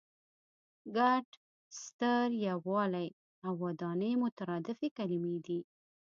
ګډ، ستر، یووالی او ودانۍ مترادفې کلمې دي.